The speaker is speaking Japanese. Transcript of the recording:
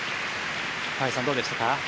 河合さん、どうでしたか？